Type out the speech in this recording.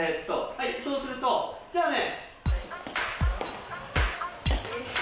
そうするとじゃあね。